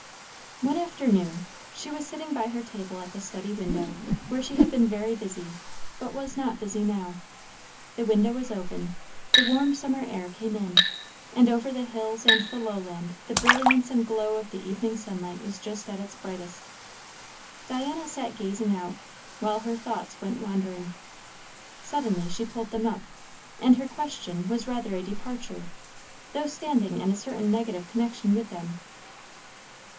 One afternoon she was sitting by her table at the study window, where she had been very busy, but was not busy now. The window was open; the warm summer air came in, and over the hills and the lowland the brilliance and glow of the evening sunlight was just at its brightest. Diana sat gazing out, while her thoughts went wandering. Suddenly she pulled them up; and her question was rather a departure, though standing in a certain negative connection with them.